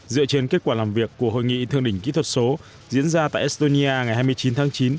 dựa trên kết quả làm việc của hội nghị thương đỉnh kỹ thuật số diễn ra tại estonia ngày hai mươi chín tháng chín